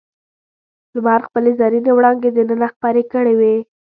لمر خپلې زرینې وړانګې دننه خپرې کړې وې.